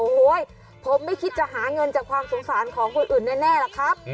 โอ้โหผมไม่คิดจะหาเงินจากความสงสารของคนอื่นแน่ล่ะครับ